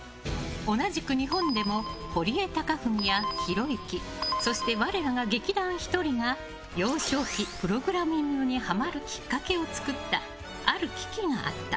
同じく日本でも堀江貴文や、ひろゆきそして、我らが劇団ひとりも幼少期、プログラミングにハマるきっかけを作ったある機器があった。